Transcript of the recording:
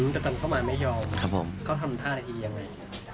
แต่ตอนเข้ามาไม่ยอมครับผมเขาทำท่าทียังไง